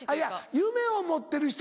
夢を持ってる人？